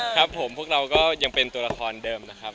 ครับผมพวกเราก็ยังเป็นตัวละครเดิมนะครับ